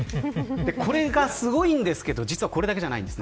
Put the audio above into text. これがすごいんですけどこれだけじゃないんです。